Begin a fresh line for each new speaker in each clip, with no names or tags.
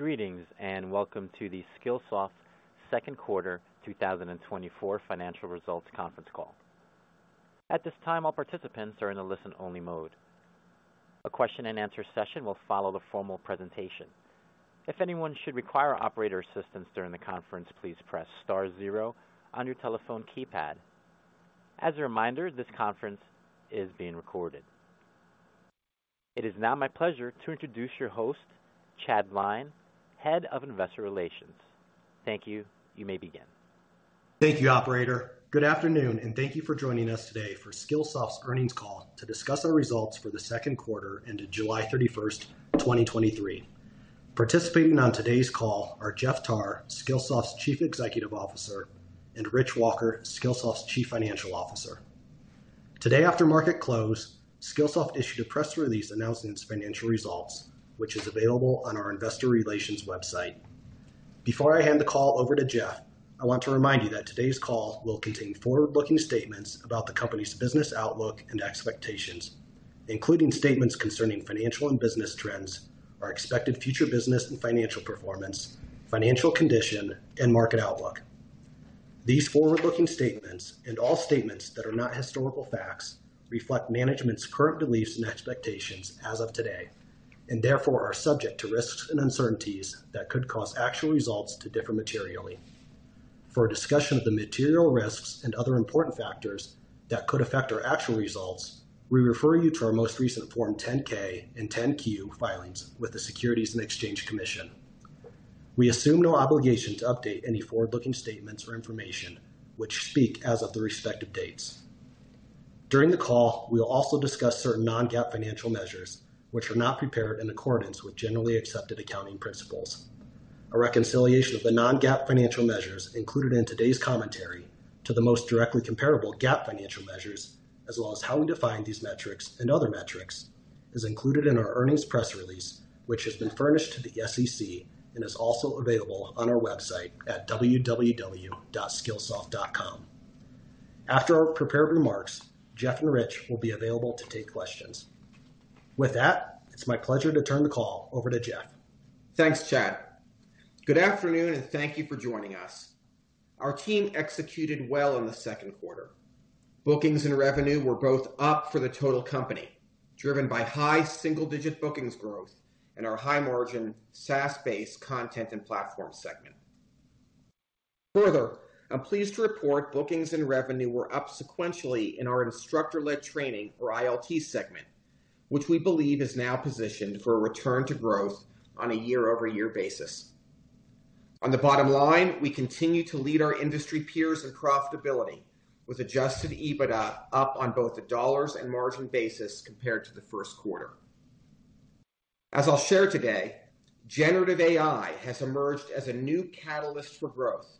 Greetings, and welcome to the Skillsoft second quarter 2024 financial results conference call. At this time, all participants are in a listen-only mode. A question and answer session will follow the formal presentation. If anyone should require operator assistance during the conference, please press star zero on your telephone keypad. As a reminder, this conference is being recorded. It is now my pleasure to introduce your host, Chad Lyne, Head of Investor Relations. Thank you. You may begin.
Thank you, operator. Good afternoon, and thank you for joining us today for Skillsoft's earnings call to discuss our results for the second quarter ended July 31, 2023. Participating on today's call are Jeff Tarr, Skillsoft's Chief Executive Officer, and Rich Walker, Skillsoft's Chief Financial Officer. Today, after market close, Skillsoft issued a press release announcing its financial results, which is available on our investor relations website. Before I hand the call over to Jeff, I want to remind you that today's call will contain forward-looking statements about the company's business outlook and expectations, including statements concerning financial and business trends, our expected future business and financial performance, financial condition, and market outlook. These forward-looking statements, and all statements that are not historical facts, reflect management's current beliefs and expectations as of today, and therefore are subject to risks and uncertainties that could cause actual results to differ materially. For a discussion of the material risks and other important factors that could affect our actual results, we refer you to our most recent Form 10-K and 10-Q filings with the Securities and Exchange Commission. We assume no obligation to update any forward-looking statements or information which speak as of the respective dates. During the call, we will also discuss certain non-GAAP financial measures, which are not prepared in accordance with generally accepted accounting principles. A reconciliation of the non-GAAP financial measures included in today's commentary to the most directly comparable GAAP financial measures, as well as how we define these metrics and other metrics, is included in our earnings press release, which has been furnished to the SEC and is also available on our website at www.skillsoft.com. After our prepared remarks, Jeff and Rich will be available to take questions. With that, it's my pleasure to turn the call over to Jeff.
Thanks, Chad. Good afternoon, and thank you for joining us. Our team executed well in the second quarter. Bookings and revenue were both up for the total company, driven by high single-digit bookings growth and our high-margin SaaS-based content and platform segment. Further, I'm pleased to report bookings and revenue were up sequentially in our instructor-led training, or ILT segment, which we believe is now positioned for a return to growth on a year-over-year basis. On the bottom line, we continue to lead our industry peers in profitability, with Adjusted EBITDA up on both the dollars and margin basis compared to the first quarter. As I'll share today, generative AI has emerged as a new catalyst for growth.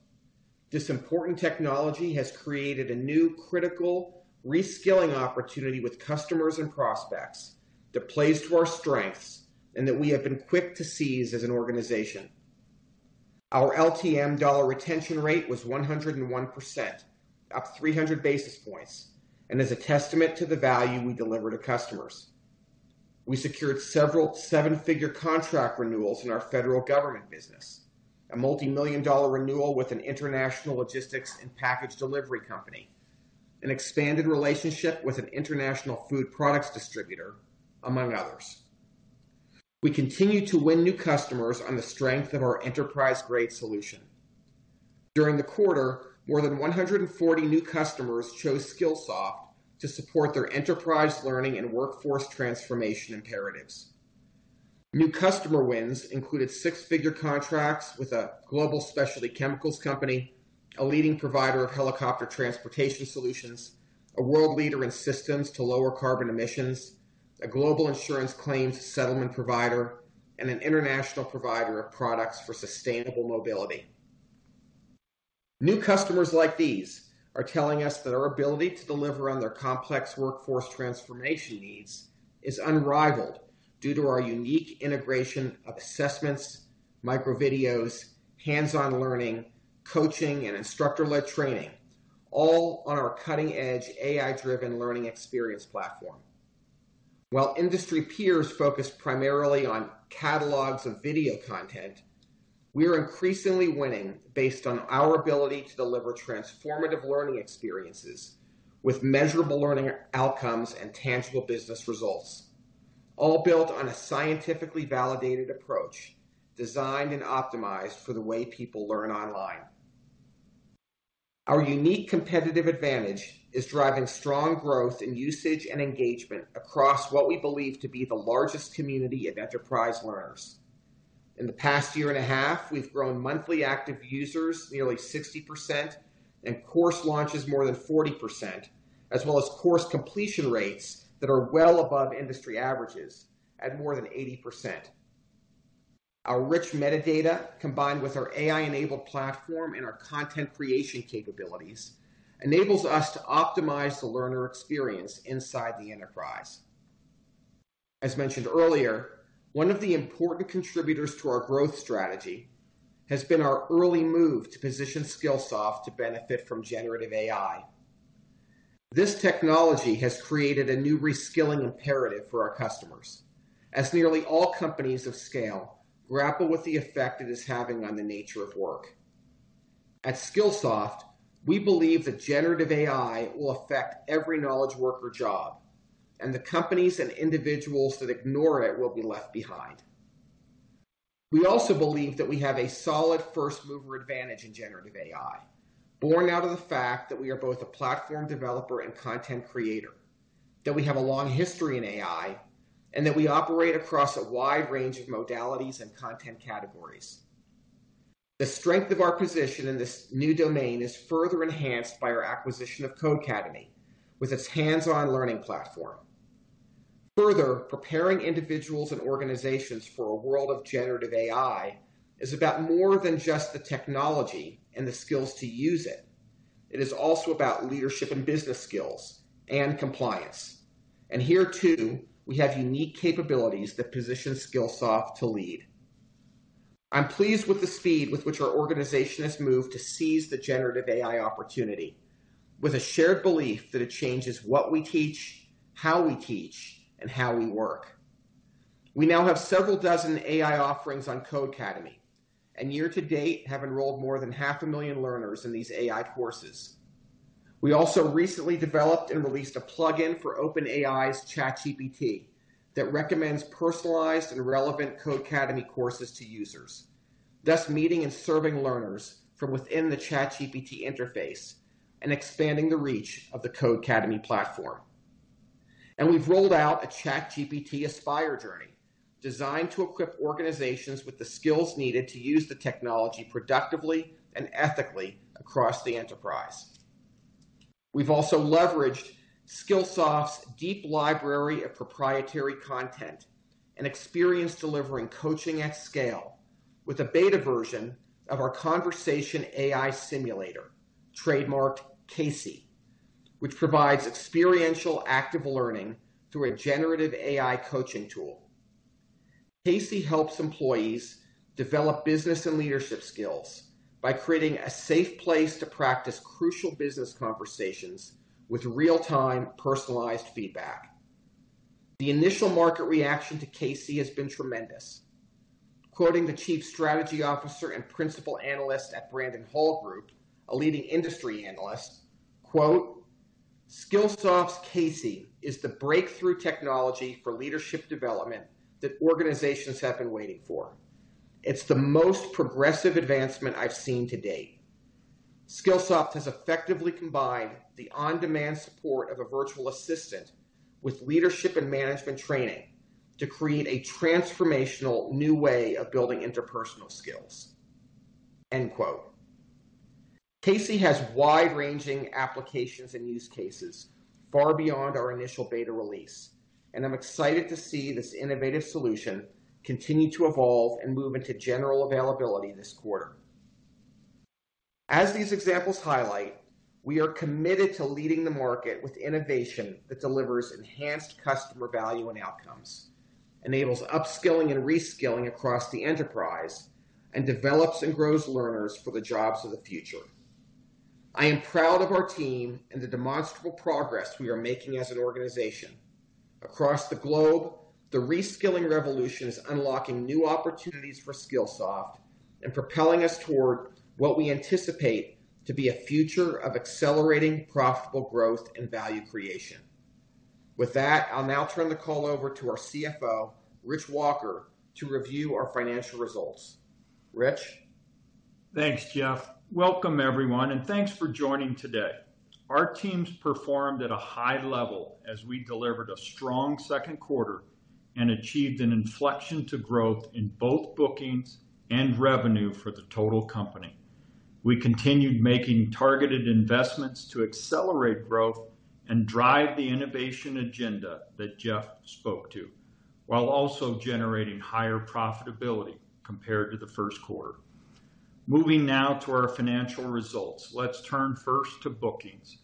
This important technology has created a new critical reskilling opportunity with customers and prospects that plays to our strengths and that we have been quick to seize as an organization. Our LTM dollar retention rate was 101%, up 300 basis points, and is a testament to the value we deliver to customers. We secured several seven-figure contract renewals in our federal government business, a multimillion-dollar renewal with an international logistics and package delivery company, an expanded relationship with an international food products distributor, among others. We continue to win new customers on the strength of our enterprise-grade solution. During the quarter, more than 140 new customers chose Skillsoft to support their enterprise learning and workforce transformation imperatives. New customer wins included six-figure contracts with a global specialty chemicals company, a leading provider of helicopter transportation solutions, a world leader in systems to lower carbon emissions, a global insurance claims settlement provider, and an international provider of products for sustainable mobility. New customers like these are telling us that our ability to deliver on their complex workforce transformation needs is unrivaled due to our unique integration of assessments, micro videos, hands-on learning, coaching, and instructor-led training, all on our cutting-edge, AI-driven learning experience platform. While industry peers focus primarily on catalogs of video content, we are increasingly winning based on our ability to deliver transformative learning experiences with measurable learning outcomes and tangible business results, all built on a scientifically validated approach, designed and optimized for the way people learn online. Our unique competitive advantage is driving strong growth in usage and engagement across what we believe to be the largest community of enterprise learners. In the past year and a half, we've grown monthly active users nearly 60% and course launches more than 40%, as well as course completion rates that are well above industry averages at more than 80%. Our rich metadata, combined with our AI-enabled platform and our content creation capabilities, enables us to optimize the learner experience inside the enterprise. As mentioned earlier, one of the important contributors to our growth strategy has been our early move to position Skillsoft to benefit from generative AI. This technology has created a new reskilling imperative for our customers, as nearly all companies of scale grapple with the effect it is having on the nature of work. At Skillsoft, we believe that generative AI will affect every knowledge worker job, and the companies and individuals that ignore it will be left behind. We also believe that we have a solid first mover advantage in generative AI, born out of the fact that we are both a platform developer and content creator, that we have a long history in AI, and that we operate across a wide range of modalities and content categories. The strength of our position in this new domain is further enhanced by our acquisition of Codecademy, with its hands-on learning platform. Further, preparing individuals and organizations for a world of generative AI is about more than just the technology and the skills to use it. It is also about leadership and business skills and compliance, and here, too, we have unique capabilities that position Skillsoft to lead. I'm pleased with the speed with which our organization has moved to seize the generative AI opportunity with a shared belief that it changes what we teach, how we teach, and how we work. We now have several dozen AI offerings on Codecademy, and year to date, have enrolled more than 500,000 learners in these AI courses. We also recently developed and released a plugin for OpenAI's ChatGPT that recommends personalized and relevant Codecademy courses to users, thus meeting and serving learners from within the ChatGPT interface and expanding the reach of the Codecademy platform. We've rolled out a ChatGPT Aspire Journey, designed to equip organizations with the skills needed to use the technology productively and ethically across the enterprise. We've also leveraged Skillsoft's deep library of proprietary content and experience delivering coaching at scale with a beta version of our conversation AI simulator, trademarked CAISY, which provides experiential, active learning through a generative AI coaching tool. CAISY helps employees develop business and leadership skills by creating a safe place to practice crucial business conversations with real-time, personalized feedback. The initial market reaction to CAISY has been tremendous. Quoting the Chief Strategy Officer and Principal Analyst at Brandon Hall Group, a leading industry analyst, quote, "Skillsoft's CAISY is the breakthrough technology for leadership development that organizations have been waiting for. It's the most progressive advancement I've seen to date. Skillsoft has effectively combined the on-demand support of a virtual assistant with leadership and management training to create a transformational new way of building interpersonal skills." End quote. CAISY has wide-ranging applications and use cases far beyond our initial beta release, and I'm excited to see this innovative solution continue to evolve and move into general availability this quarter. As these examples highlight, we are committed to leading the market with innovation that delivers enhanced customer value and outcomes, enables upskilling and reskilling across the enterprise, and develops and grows learners for the jobs of the future. I am proud of our team and the demonstrable progress we are making as an organization. Across the globe, the reskilling revolution is unlocking new opportunities for Skillsoft and propelling us toward what we anticipate to be a future of accelerating profitable growth and value creation. With that, I'll now turn the call over to our CFO, Rich Walker, to review our financial results. Rich?
Thanks, Jeff. Welcome, everyone, and thanks for joining today. Our teams performed at a high level as we delivered a strong second quarter and achieved an inflection to growth in both bookings and revenue for the total company. We continued making targeted investments to accelerate growth and drive the innovation agenda that Jeff spoke to, while also generating higher profitability compared to the first quarter. Moving now to our financial results. Let's turn first to bookings.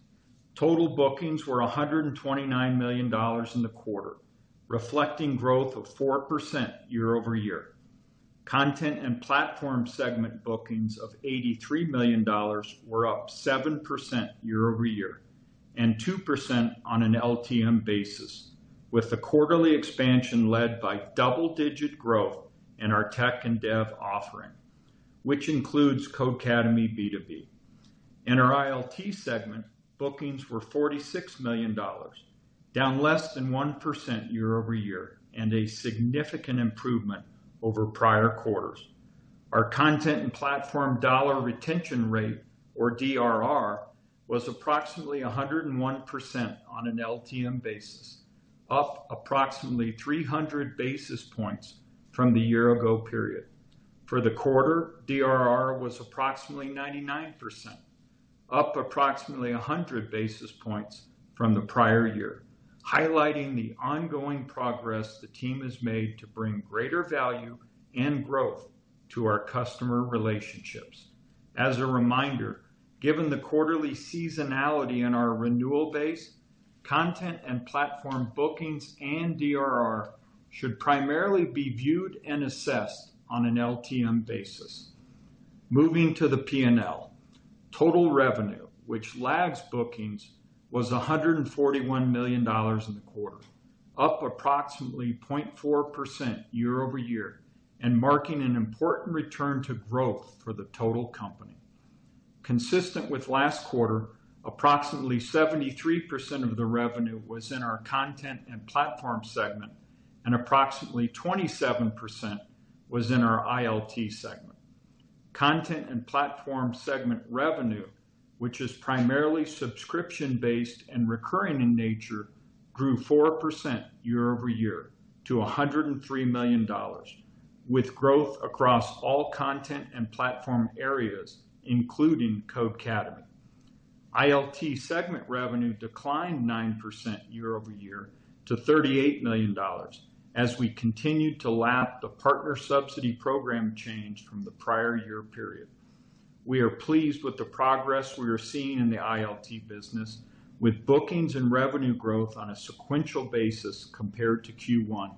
Total bookings were $129 million in the quarter, reflecting growth of 4% year-over-year. Content and platform segment bookings of $83 million were up 7% year-over-year, and 2% on an LTM basis, with the quarterly expansion led by double-digit growth in our tech and dev offering, which includes Codecademy B2B. In our ILT segment, bookings were $46 million, down less than 1% year-over-year, and a significant improvement over prior quarters. Our content and platform dollar retention rate, or DRR, was approximately 101% on an LTM basis, up approximately 300 basis points from the year ago period. For the quarter, DRR was approximately 99%, up approximately 100 basis points from the prior year, highlighting the ongoing progress the team has made to bring greater value and growth to our customer relationships. As a reminder, given the quarterly seasonality in our renewal base, content and platform bookings and DRR should primarily be viewed and assessed on an LTM basis. Moving to the P&L. Total revenue, which lags bookings, was $141 million in the quarter, up approximately 0.4% year-over-year, and marking an important return to growth for the total company. Consistent with last quarter, approximately 73% of the revenue was in our content and platform segment, and approximately 27% was in our ILT segment. Content and platform segment revenue, which is primarily subscription-based and recurring in nature, grew 4% year-over-year to $103 million, with growth across all content and platform areas, including Codecademy. ILT segment revenue declined 9% year-over-year to $38 million as we continued to lap the partner subsidy program change from the prior year period. We are pleased with the progress we are seeing in the ILT business, with bookings and revenue growth on a sequential basis compared to Q1,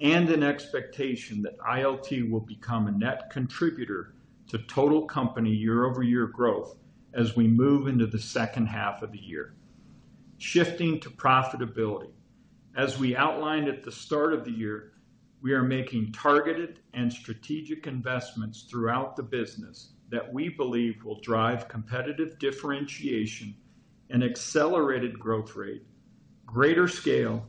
and an expectation that ILT will become a net contributor to total company year-over-year growth as we move into the second half of the year. Shifting to profitability. As we outlined at the start of the year, we are making targeted and strategic investments throughout the business that we believe will drive competitive differentiation, an accelerated growth rate, greater scale,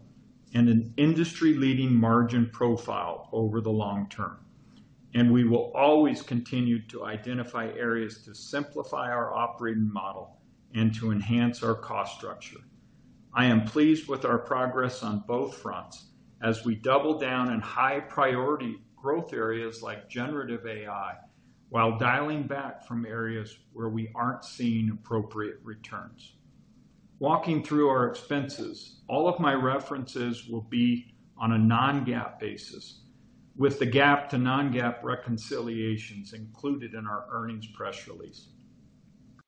and an industry-leading margin profile over the long term. We will always continue to identify areas to simplify our operating model and to enhance our cost structure. I am pleased with our progress on both fronts as we double down on high-priority growth areas like generative AI, while dialing back from areas where we aren't seeing appropriate returns. Walking through our expenses, all of my references will be on a non-GAAP basis, with the GAAP to non-GAAP reconciliations included in our earnings press release.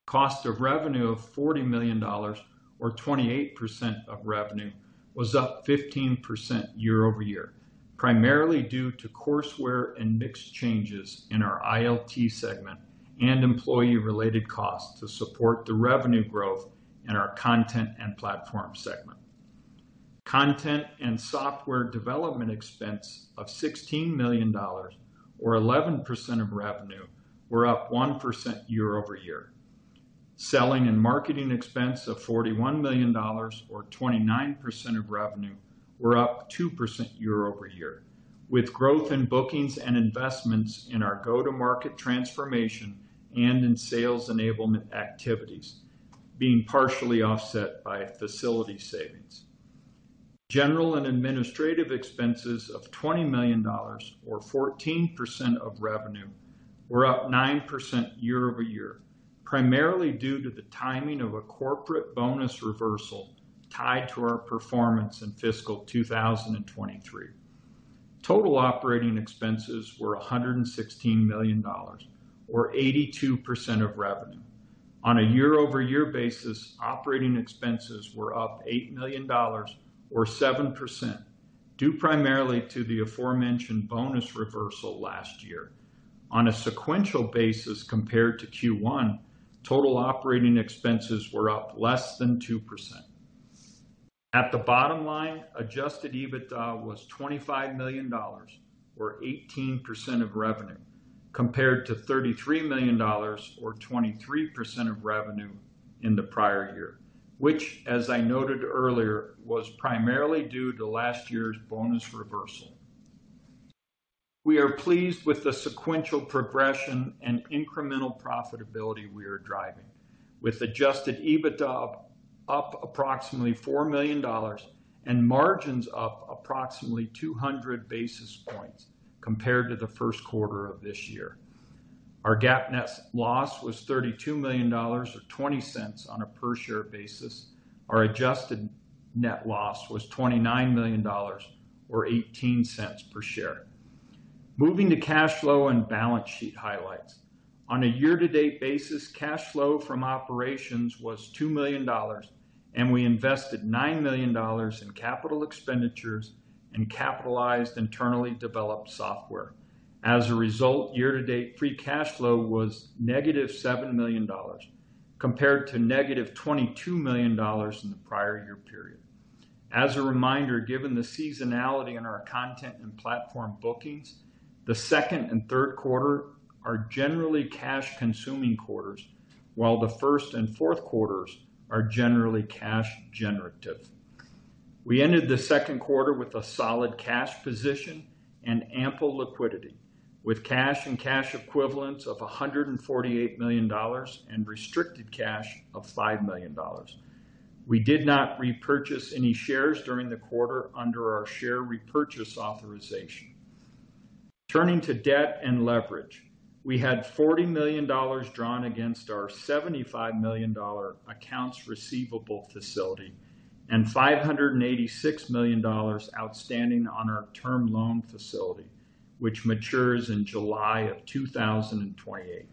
Cost of revenue of $40 million or 28% of revenue, was up 15% year-over-year, primarily due to courseware and mix changes in our ILT segment and employee-related costs to support the revenue growth in our content and platform segment. Content and software development expense of $16 million or 11% of revenue, were up 1% year-over-year. Selling and marketing expense of $41 million or 29% of revenue, were up 2% year-over-year, with growth in bookings and investments in our go-to-market transformation and in sales enablement activities being partially offset by facility savings. General and administrative expenses of $20 million or 14% of revenue were up 9% year-over-year, primarily due to the timing of a corporate bonus reversal tied to our performance in fiscal 2023. Total operating expenses were $116 million or 82% of revenue. On a year-over-year basis, operating expenses were up $8 million or 7%, due primarily to the aforementioned bonus reversal last year. On a sequential basis compared to Q1, total operating expenses were up less than 2%. At the bottom line, Adjusted EBITDA was $25 million or 18% of revenue, compared to $33 million or 23% of revenue in the prior year, which, as I noted earlier, was primarily due to last year's bonus reversal. We are pleased with the sequential progression and incremental profitability we are driving, with Adjusted EBITDA up approximately $4 million and margins up approximately 200 basis points compared to the first quarter of this year. Our GAAP net loss was $32 million or $0.20 on a per-share basis. Our adjusted net loss was $29 million or $0.18 per share. Moving to cash flow and balance sheet highlights. On a year-to-date basis, cash flow from operations was $2 million, and we invested $9 million in capital expenditures and capitalized internally developed software. As a result, year-to-date Free Cash Flow was -$7 million, compared to -$22 million in the prior year period. As a reminder, given the seasonality in our content and platform bookings, the second and third quarter are generally cash-consuming quarters, while the first and fourth quarters are generally cash generative. We ended the second quarter with a solid cash position and ample liquidity, with cash and cash equivalents of $148 million and restricted cash of $5 million. We did not repurchase any shares during the quarter under our share repurchase authorization. Turning to debt and leverage, we had $40 million drawn against our $75 million dollar accounts receivable facility and $586 million outstanding on our term loan facility, which matures in July of 2028.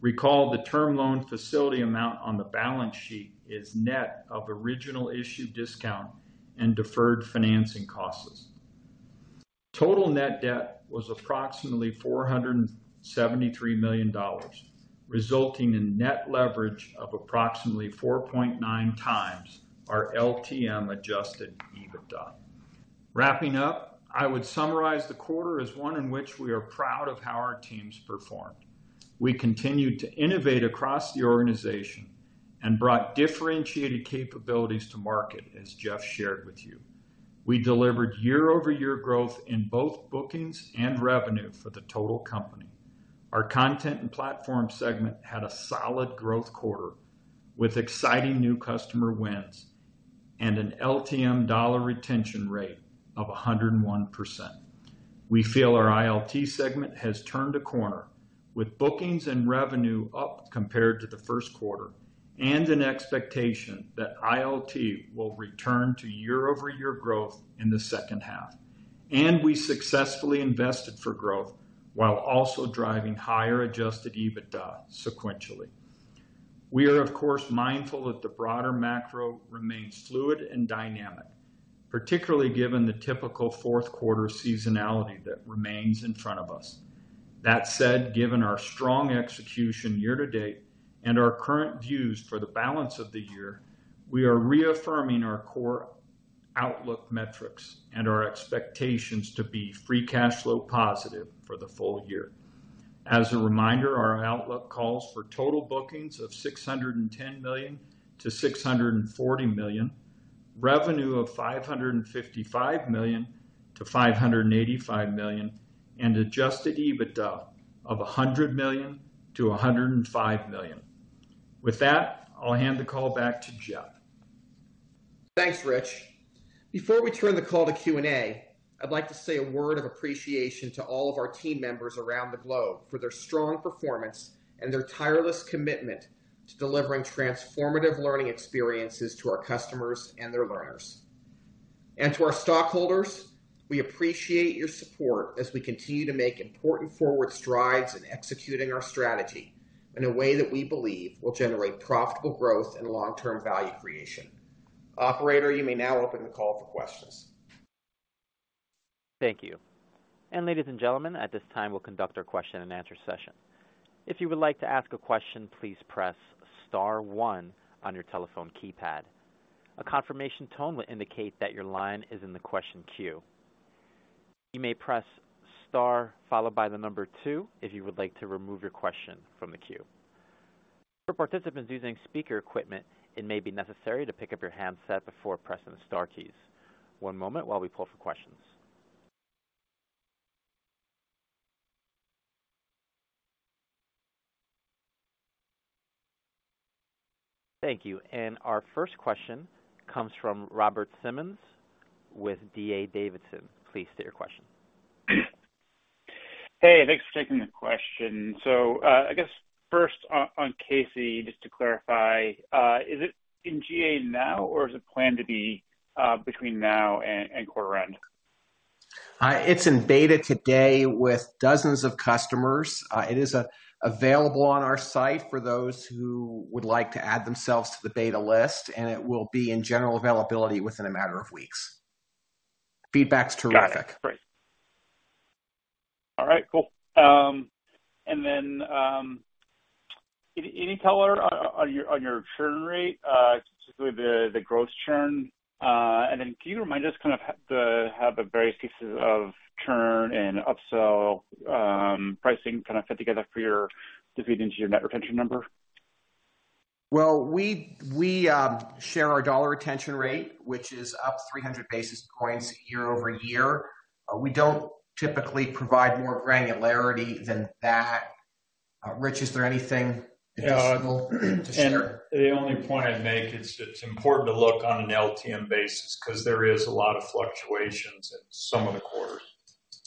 Recall the term loan facility amount on the balance sheet is net of original issue discount, and deferred financing costs. Total net debt was approximately $473 million, resulting in net leverage of approximately 4.9x our LTM Adjusted EBITDA. Wrapping up, I would summarize the quarter as one in which we are proud of how our teams performed. We continued to innovate across the organization and brought differentiated capabilities to market, as Jeff shared with you. We delivered year-over-year growth in both bookings and revenue for the total company. Our content and platform segment had a solid growth quarter, with exciting new customer wins and an LTM dollar retention rate of 101%. We feel our ILT segment has turned a corner, with bookings and revenue up compared to the first quarter, and an expectation that ILT will return to year-over-year growth in the second half. We successfully invested for growth while also driving higher Adjusted EBITDA sequentially. We are, of course, mindful that the broader macro remains fluid and dynamic, particularly given the typical fourth quarter seasonality that remains in front of us. That said, given our strong execution year-to-date and our current views for the balance of the year, we are reaffirming our core outlook metrics and our expectations to be free cash flow positive for the full year. As a reminder, our outlook calls for total bookings of $610 million-$640 million, revenue of $555 million-$585 million, and Adjusted EBITDA of $100 million-$105 million. With that, I'll hand the call back to Jeff.
Thanks, Rich. Before we turn the call to Q&A, I'd like to say a word of appreciation to all of our team members around the globe for their strong performance and their tireless commitment to delivering transformative learning experiences to our customers and their learners. To our stockholders, we appreciate your support as we continue to make important forward strides in executing our strategy in a way that we believe will generate profitable growth and long-term value creation. Operator, you may now open the call for questions.
Thank you. Ladies and gentlemen, at this time, we'll conduct our question and answer session. If you would like to ask a question, please press star one on your telephone keypad. A confirmation tone will indicate that your line is in the question queue. You may press star followed by the number two, if you would like to remove your question from the queue. For participants using speaker equipment, it may be necessary to pick up your handset before pressing the star keys. One moment while we pull for questions. Thank you. Our first question comes from Robert Simmons with D.A. Davidson. Please state your question.
Hey, thanks for taking the question. So, I guess first on CAISY, just to clarify, is it in GA now, or is it planned to be, between now and quarter end?
It's in beta today with dozens of customers. It is available on our site for those who would like to add themselves to the beta list, and it will be in general availability within a matter of weeks. Feedback's terrific.
Got it. Great. All right, cool. And then, any color on your churn rate, specifically the growth churn? And then can you remind us kind of how the various pieces of churn and upsell, pricing kind of fit together for your to feed into your net retention number?
Well, we share our dollar retention rate, which is up 300 basis points year-over-year. We don't typically provide more granularity than that. Rich, is there anything-
Yeah.
- additional to share?
The only point I'd make is it's important to look on an LTM basis, 'cause there is a lot of fluctuations in some of the quarters.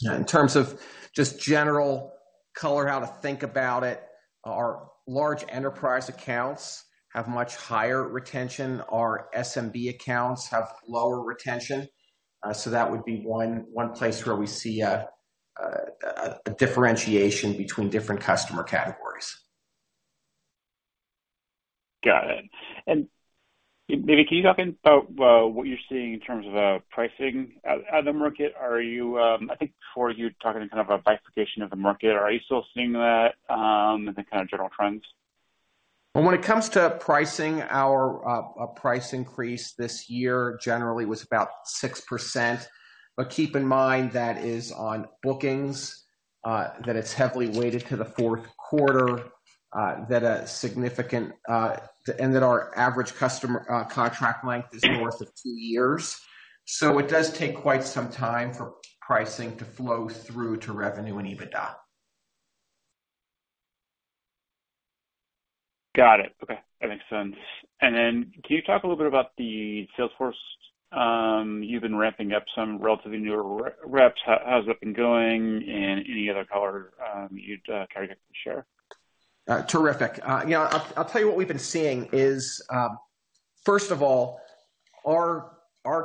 Yeah, in terms of just general color, how to think about it, our large enterprise accounts have much higher retention. Our SMB accounts have lower retention. So that would be one place where we see a differentiation between different customer categories.
Got it. Maybe can you talk about what you're seeing in terms of pricing out in the market? I think before you were talking kind of a bifurcation of the market. Are you still seeing that in the kind of general trends?
Well, when it comes to pricing, our, our price increase this year generally was about 6%. But keep in mind, that is on bookings, that it's heavily weighted to the fourth quarter, that a significant, and that our average customer, contract length is north of two years. So it does take quite some time for pricing to flow through to revenue and EBITDA.
Got it. Okay, that makes sense. And then, can you talk a little bit about the Salesforce? You've been ramping up some relatively newer reps. How's that been going? And any other color you'd care to share?
Terrific. Yeah, I'll tell you what we've been seeing is, first of all, our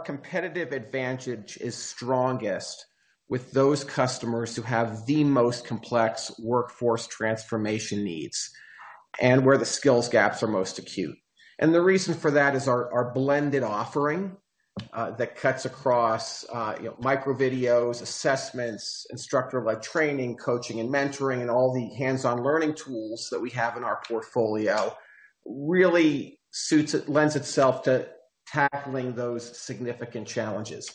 competitive advantage is strongest with those customers who have the most complex workforce transformation needs... and where the skills gaps are most acute. And the reason for that is our blended offering, that cuts across, you know, micro videos, assessments, instructor-led training, coaching and mentoring, and all the hands-on learning tools that we have in our portfolio, really lends itself to tackling those significant challenges.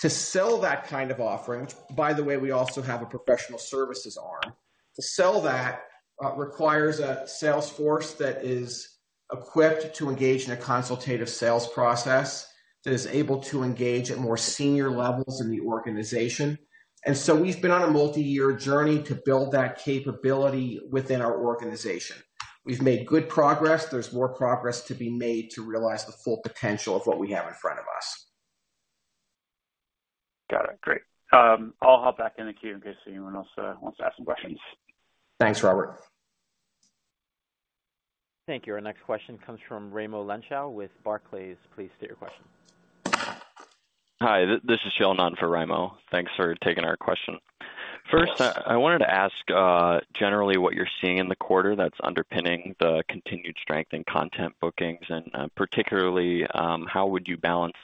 To sell that kind of offering, by the way, we also have a professional services arm. To sell that requires a sales force that is equipped to engage in a consultative sales process, that is able to engage at more senior levels in the organization. And so we've been on a multi-year journey to build that capability within our organization. We've made good progress. There's more progress to be made to realize the full potential of what we have in front of us.
Got it. Great. I'll hop back in the queue in case anyone else wants to ask some questions.
Thanks, Robert.
Thank you. Our next question comes from Raimo Lenschow with Barclays. Please state your question.
Hi, this is Sheldon in for Raimo. Thanks for taking our question.
Yes.
First, I wanted to ask, generally, what you're seeing in the quarter that's underpinning the continued strength in content bookings, and, particularly, how would you balance,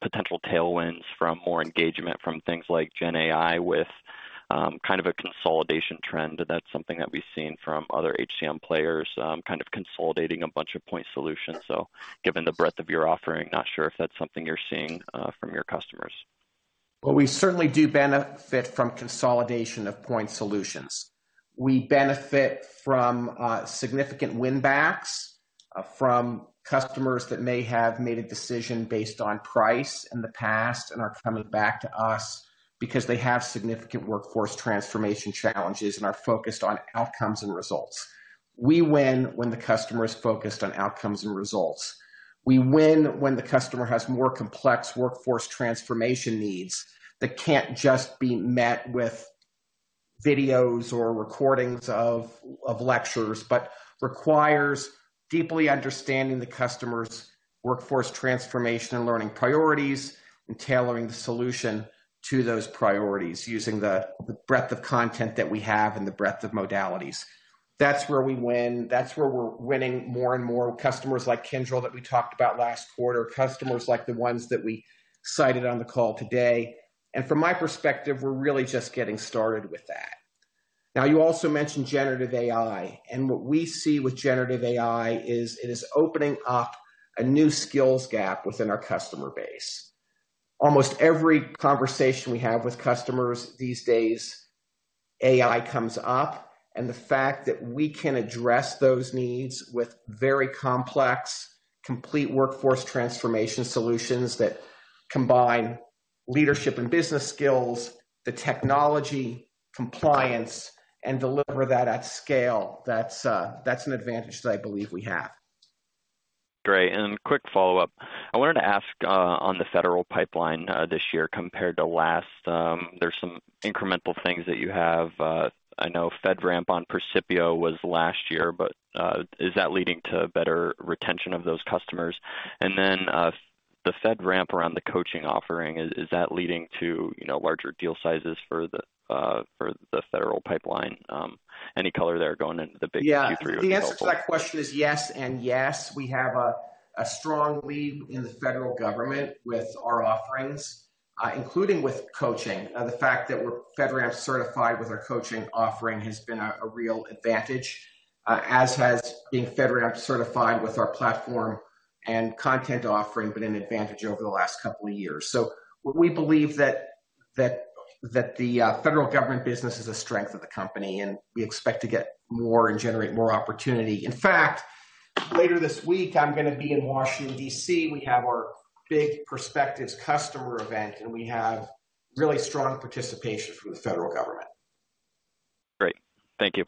potential tailwinds from more engagement from things like Gen AI with, kind of a consolidation trend? That's something that we've seen from other HCM players, kind of consolidating a bunch of point solutions. So given the breadth of your offering, not sure if that's something you're seeing, from your customers.
Well, we certainly do benefit from consolidation of point solutions. We benefit from significant win backs from customers that may have made a decision based on price in the past and are coming back to us because they have significant workforce transformation challenges and are focused on outcomes and results. We win when the customer is focused on outcomes and results. We win when the customer has more complex workforce transformation needs that can't just be met with videos or recordings of lectures, but requires deeply understanding the customer's workforce transformation and learning priorities, and tailoring the solution to those priorities, using the breadth of content that we have and the breadth of modalities. That's where we win. That's where we're winning more and more with customers like Kyndryl that we talked about last quarter, customers like the ones that we cited on the call today. From my perspective, we're really just getting started with that. Now, you also mentioned generative AI, and what we see with generative AI is it is opening up a new skills gap within our customer base. Almost every conversation we have with customers these days, AI comes up, and the fact that we can address those needs with very complex, complete workforce transformation solutions that combine leadership and business skills, the technology, compliance, and deliver that at scale, that's, that's an advantage that I believe we have.
Great, and quick follow-up. I wanted to ask, on the federal pipeline, this year compared to last. There's some incremental things that you have. I know FedRAMP on Percipio was last year, but, is that leading to better retention of those customers? And then, the FedRAMP around the coaching offering, is, is that leading to, you know, larger deal sizes for the, for the federal pipeline? Any color there going into the big Q3 would be helpful.
Yeah. The answer to that question is yes, and yes. We have a strong lead in the federal government with our offerings, including with coaching. The fact that we're FedRAMP certified with our coaching offering has been a real advantage, as has being FedRAMP certified with our platform and content offering, been an advantage over the last couple of years. So we believe that the federal government business is a strength of the company, and we expect to get more and generate more opportunity. In fact, later this week, I'm gonna be in Washington, D.C. We have our big Perspectives customer event, and we have really strong participation from the federal government.
Great. Thank you.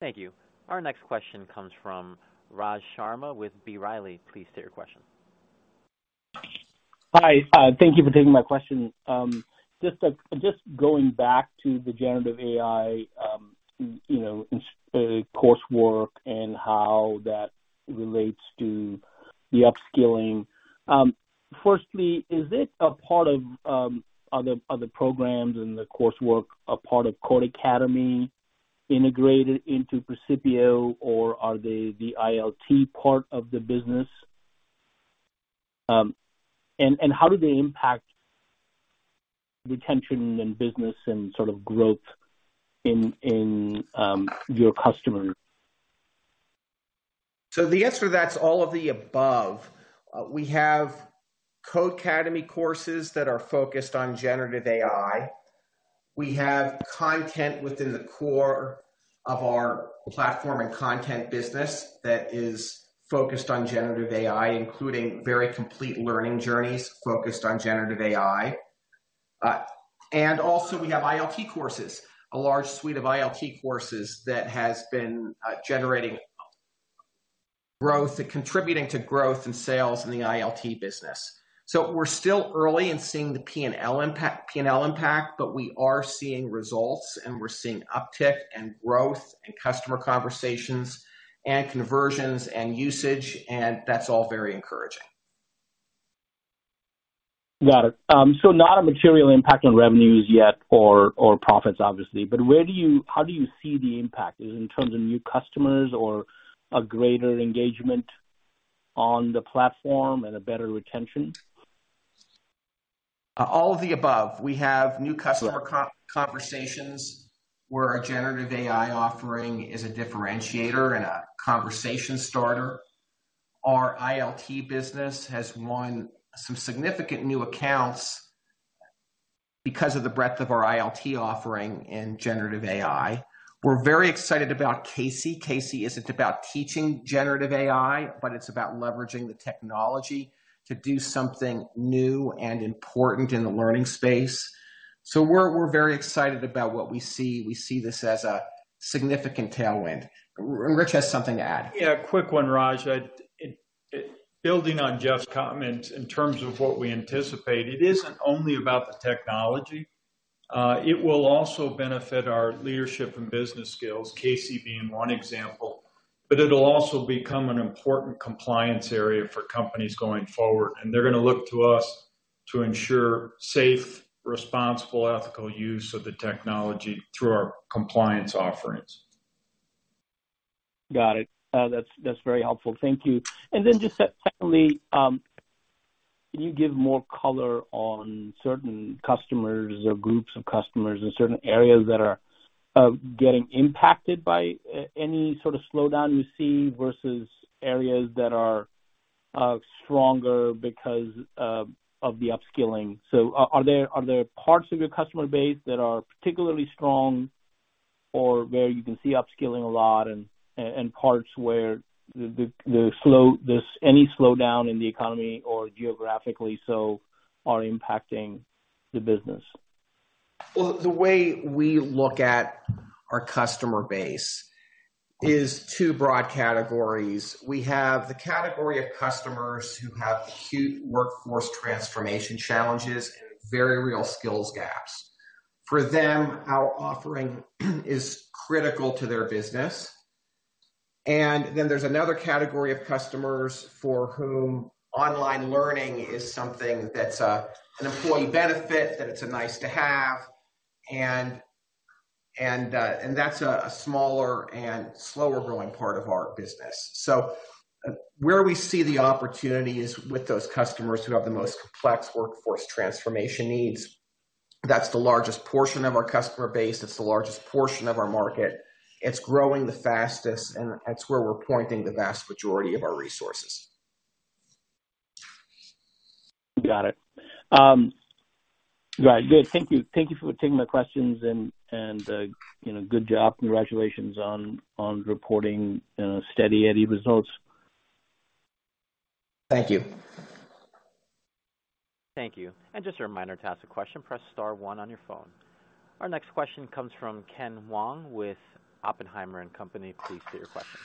Thank you. Our next question comes from Raj Sharma with B. Riley. Please state your question.
Hi, thank you for taking my question. Just, just going back to the generative AI, you know, coursework and how that relates to the upskilling. Firstly, is it a part of, are the, are the programs and the coursework a part of Codecademy integrated into Percipio, or are they the ILT part of the business? And, and how do they impact retention and business and sort of growth in, in your customers?
So the answer to that is all of the above. We have Codecademy courses that are focused on generative AI. We have content within the core of our platform and content business that is focused on generative AI, including very complete learning journeys focused on generative AI. And also we have ILT courses, a large suite of ILT courses that has been generating growth and contributing to growth and sales in the ILT business. So we're still early in seeing the P&L impact, P&L impact, but we are seeing results, and we're seeing uptick and growth in customer conversations and conversions and usage, and that's all very encouraging....
Got it. So not a material impact on revenues yet or profits, obviously, but where do you, how do you see the impact? Is it in terms of new customers or a greater engagement on the platform and a better retention?
All of the above. We have new customer conversations where our generative AI offering is a differentiator and a conversation starter. Our ILT business has won some significant new accounts because of the breadth of our ILT offering in generative AI. We're very excited about CAISY. CAISY isn't about teaching generative AI, but it's about leveraging the technology to do something new and important in the learning space. So we're very excited about what we see. We see this as a significant tailwind. Rich has something to add.
Yeah, a quick one, Raj. Building on Jeff's comment, in terms of what we anticipate, it isn't only about the technology. It will also benefit our leadership and business skills, CAISY being one example, but it'll also become an important compliance area for companies going forward, and they're gonna look to us to ensure safe, responsible, ethical use of the technology through our compliance offerings.
Got it. That's very helpful. Thank you. And then just finally, can you give more color on certain customers or groups of customers in certain areas that are getting impacted by any sort of slowdown you see, versus areas that are stronger because of the upskilling? So are there parts of your customer base that are particularly strong or where you can see upskilling a lot and parts where the slowdown in the economy or geographically is impacting the business?
Well, the way we look at our customer base is two broad categories. We have the category of customers who have acute workforce transformation challenges and very real skills gaps. For them, our offering is critical to their business. And then there's another category of customers for whom online learning is something that's an employee benefit, that it's a nice to have, and that's a smaller and slower growing part of our business. So where we see the opportunity is with those customers who have the most complex workforce transformation needs. That's the largest portion of our customer base. It's the largest portion of our market. It's growing the fastest, and that's where we're pointing the vast majority of our resources.
Got it. Right. Good. Thank you. Thank you for taking my questions, and, and, you know, good job. Congratulations on, on reporting steady Eddie results.
Thank you.
Thank you. Just a reminder, to ask a question, press star one on your phone. Our next question comes from Ken Wong with Oppenheimer and Company. Please state your question.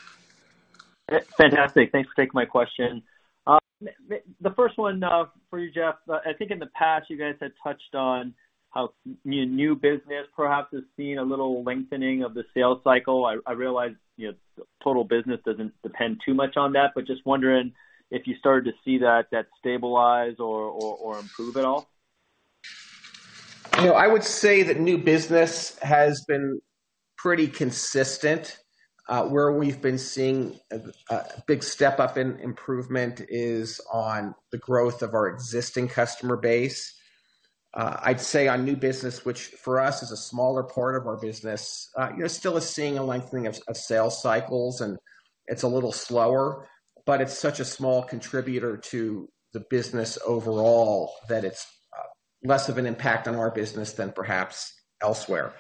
Fantastic. Thanks for taking my question. The first one for you, Jeff. I think in the past you guys had touched on how new business perhaps has seen a little lengthening of the sales cycle. I realize, you know, total business doesn't depend too much on that, but just wondering if you started to see that stabilize or improve at all?
You know, I would say that new business has been pretty consistent. Where we've been seeing a big step-up in improvement is on the growth of our existing customer base. I'd say on new business, which for us is a smaller part of our business, you're still seeing a lengthening of sales cycles, and it's a little slower, but it's such a small contributor to the business overall, that it's less of an impact on our business than perhaps elsewhere.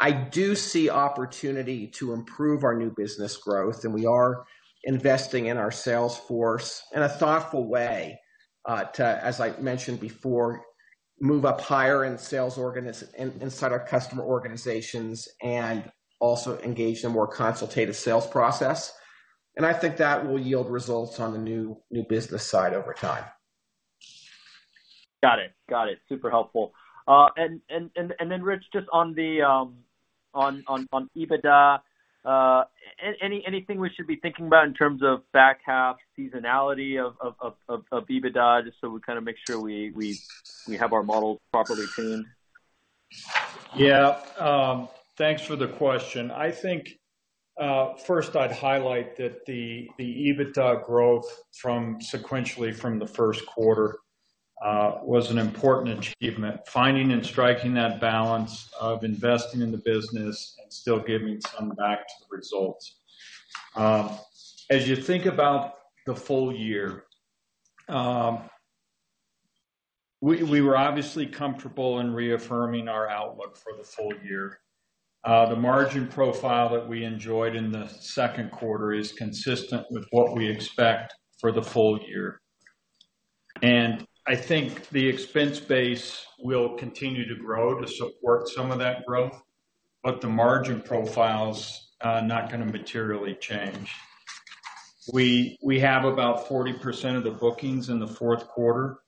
I do see opportunity to improve our new business growth, and we are investing in our sales force in a thoughtful way, to, as I mentioned before, move up higher in sales organization inside our customer organizations and also engage in a more consultative sales process. And I think that will yield results on the new business side over time.
Got it. Got it. Super helpful. And then, Rich, just on the EBITDA, anything we should be thinking about in terms of back half seasonality of EBITDA, just so we kind of make sure we have our models properly tuned?
Yeah. Thanks for the question. I think, first I'd highlight that the EBITDA growth sequentially from the first quarter was an important achievement, finding and striking that balance of investing in the business and still giving some back to the results. As you think about the full year, we were obviously comfortable in reaffirming our outlook for the full year. The margin profile that we enjoyed in the second quarter is consistent with what we expect for the full year. I think the expense base will continue to grow to support some of that growth, but the margin profile's not gonna materially change. We have about 40% of the bookings in the fourth quarter.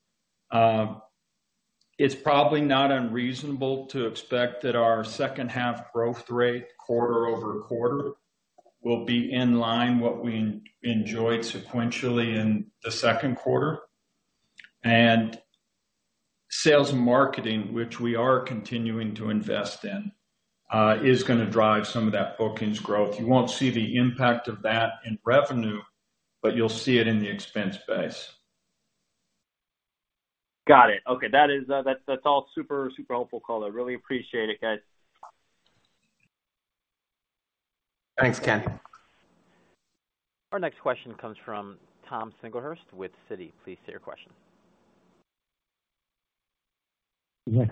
It's probably not unreasonable to expect that our second half growth rate, quarter-over-quarter-... Will be in line what we enjoyed sequentially in the second quarter. Sales marketing, which we are continuing to invest in, is gonna drive some of that bookings growth. You won't see the impact of that in revenue, but you'll see it in the expense base.
Got it. Okay, that is, that's, that's all super, super helpful, caller. Really appreciate it, guys.
Thanks, Ken.
Our next question comes from Tom Singlehurst with Citi. Please state your question.
Yeah,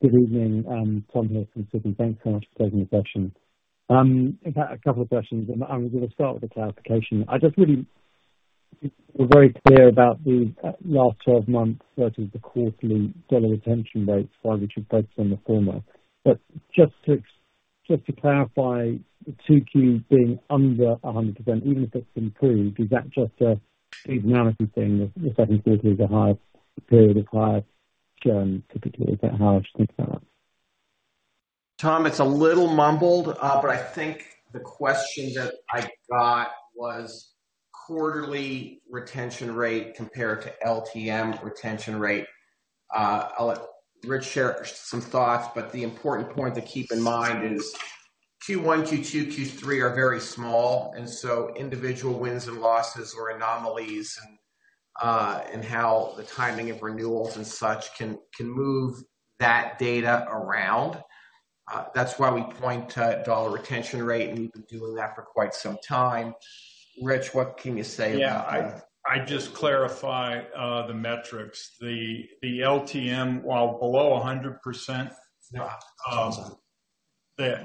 good evening. Tom here from Citi. Thanks so much for taking the question. I've got a couple of questions, and I'm gonna start with a clarification. I just really... You were very clear about the, last twelve months versus the quarterly dollar retention rates, why we should focus on the former. But just to, just to clarify, Q2 being under 100%, even if it's improved, is that just a seasonality thing of the second quarter is a higher period of higher churn typically? Is that how I should think about it?
Tom, it's a little mumbled, but I think the question that I got was quarterly retention rate compared to LTM retention rate. I'll let Rich share some thoughts, but the important point to keep in mind is Q1, Q2, Q3 are very small, and so individual wins and losses or anomalies and how the timing of renewals and such can move that data around. That's why we point to dollar retention rate, and we've been doing that for quite some time. Rich, what can you say about that?
Yeah. I'd just clarify the metrics. The LTM, while below 100%-
Yeah.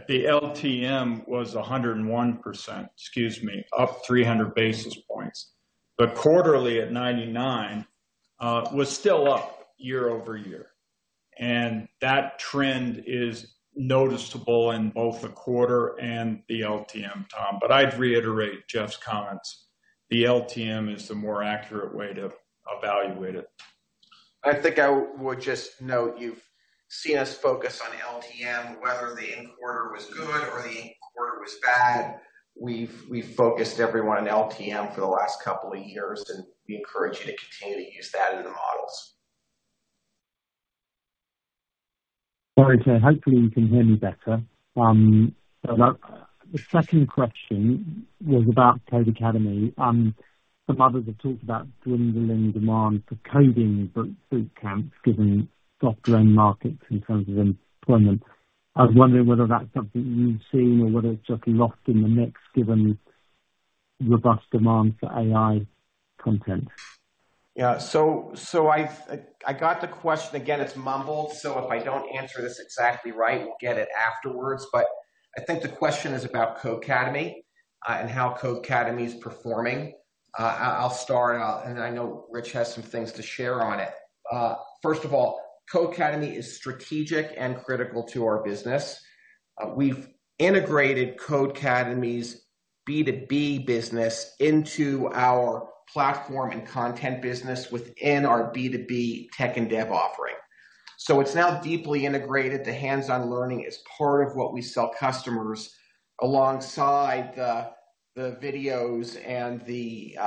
The LTM was 101%, excuse me, up 300 basis points. But quarterly at 99% was still up year over year, and that trend is noticeable in both the quarter and the LTM, Tom. But I'd reiterate Jeff's comments, the LTM is the more accurate way to evaluate it.
I think I would just note, you've seen us focus on LTM, whether the in quarter was good or the in quarter was bad. We've focused everyone on LTM for the last couple of years, and we encourage you to continue to use that in the models.
All right, so hopefully you can hear me better. The second question was about Codecademy. Some others have talked about dwindling demand for coding boot camps, given soft learning markets in terms of employment. I was wondering whether that's something you've seen or whether it's just lost in the mix, given robust demand for AI content?
Yeah, so I've got the question. Again, it's mumbled, so if I don't answer this exactly right, we'll get it afterwards. But I think the question is about Codecademy, and how Codecademy is performing. I'll start off, and I know Rich has some things to share on it. First of all, Codecademy is strategic and critical to our business. We've integrated Codecademy's B2B business into our platform and content business within our B2B tech and dev offering. So it's now deeply integrated. The hands-on learning is part of what we sell customers, alongside the videos and the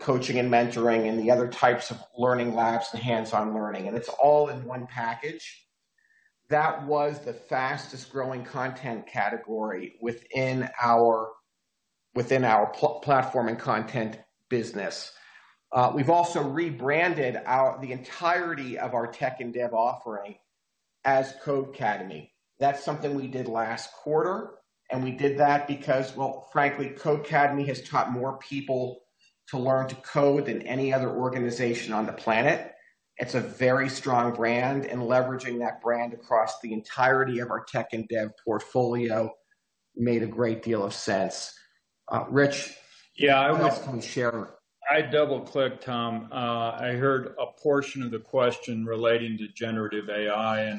coaching and mentoring, and the other types of learning labs, the hands-on learning, and it's all in one package. That was the fastest growing content category within our platform and content business. We've also rebranded our... the entirety of our tech and dev offering as Codecademy. That's something we did last quarter, and we did that because, well, frankly, Codecademy has taught more people to learn to code than any other organization on the planet. It's a very strong brand, and leveraging that brand across the entirety of our tech and dev portfolio made a great deal of sense. Rich?
Yeah, I would-
What else can we share?
I double-clicked Tom. I heard a portion of the question relating to generative AI,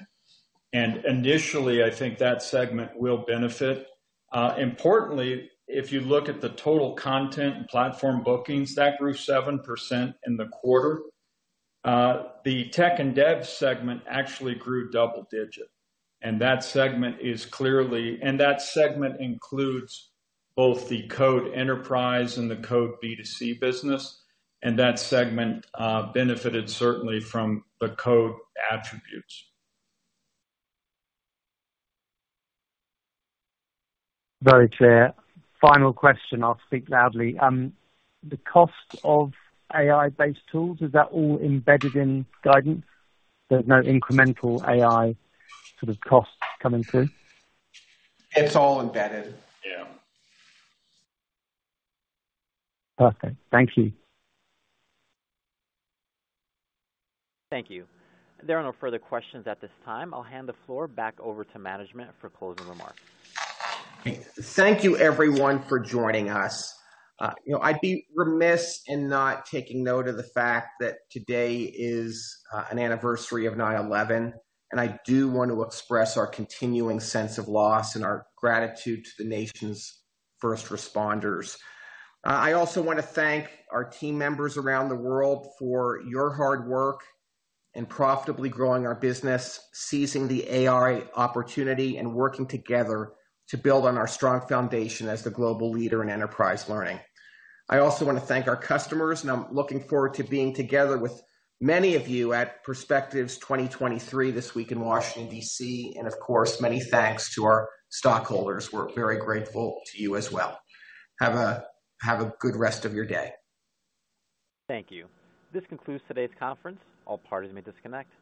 and initially, I think that segment will benefit. Importantly, if you look at the total content and platform bookings, that grew 7% in the quarter. The tech and dev segment actually grew double digit, and that segment is clearly and that segment includes both the Codecademy enterprise and the Codecademy B2C business, and that segment benefited certainly from the Codecademy attributes.
Very clear. Final question, I'll speak loudly. The cost of AI-based tools, is that all embedded in guidance? There's no incremental AI sort of costs coming through?
It's all embedded.
Yeah.
Perfect. Thank you.
Thank you. There are no further questions at this time. I'll hand the floor back over to management for closing remarks.
Thank you everyone for joining us. You know, I'd be remiss in not taking note of the fact that today is an anniversary of 9/11, and I do want to express our continuing sense of loss and our gratitude to the nation's first responders. I also want to thank our team members around the world for your hard work in profitably growing our business, seizing the AI opportunity, and working together to build on our strong foundation as the global leader in enterprise learning. I also want to thank our customers, and I'm looking forward to being together with many of you at Perspectives 2023 this week in Washington, D.C. Of course, many thanks to our stockholders. We're very grateful to you as well. Have a good rest of your day.
Thank .you. This concludes today's conference. All parties may disconnect.